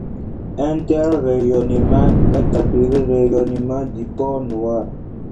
Un tel rayonnement est appelé rayonnement du corps noir.